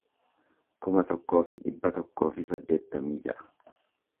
kuma tokkoo fi dhibba tokkoo fi saddeettamii ja'a